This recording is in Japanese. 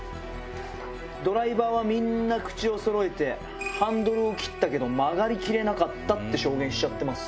ドライバーはみんな口をそろえてハンドルを切ったけど曲がりきれなかったって証言しちゃってます。